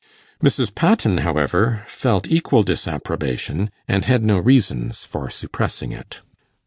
Mrs. Patten, however, felt equal disapprobation, and had no reasons for suppressing it.